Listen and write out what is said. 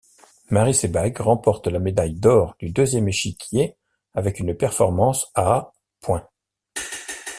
Marie Sebag remporte la médaille d'or du deuxième échiquier avec une performance à points.